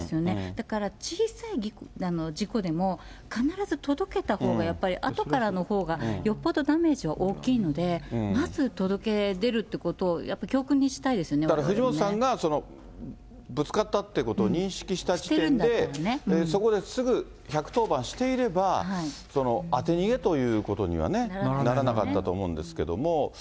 だから小さい事故でも、必ず届けたほうが、やっぱりあとからのほうが、よっぽどダメージは大きいので、まず届け出るってことを、やっぱり教訓にしたいですね、藤本さんがぶつかったっていうことを認識した時点で、そこですぐ１１０番していれば、当て逃げということにはね、ならなかったと思うんですけども。